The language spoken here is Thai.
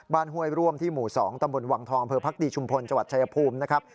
บ้านห่วยร่วมที่หมู่๒ตำบลวังทองอำเภอภักดีชุมพลจชายภูมิ